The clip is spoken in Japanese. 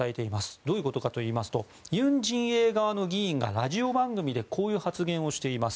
どういうことかといいますと尹陣営側の議員がラジオ番組でこういう発言をしています。